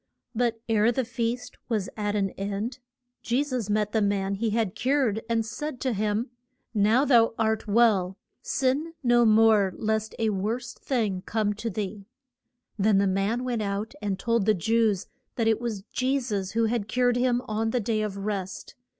But ere the feast was at an end Je sus met the man He had cured and said to him, Now thou art well, sin no more lest a worse thing come to thee. Then the man went out and told the Jews that it was Je sus who had cured him on the Day of Rest.